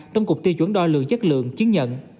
tâm cục tiêu chuẩn đo lượng chất lượng chứng nhận